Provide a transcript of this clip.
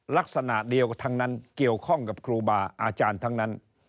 ลักษณะเดียวทั้งนั้นเกี่ยวข้องกับครูบาอาจารย์ทั้งนั้น